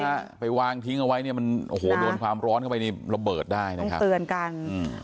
ถ้าไปวางทิ้งเอาไว้โดนความร้อนเข้าไประเบิดได้ต้องเตือนกัน